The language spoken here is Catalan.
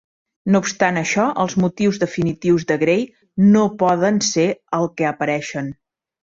No obstant això, els motius Definitius de Grey no poden ser el que apareixen.